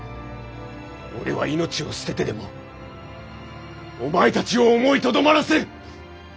俺は命を捨ててでもお前たちを思いとどまらせる。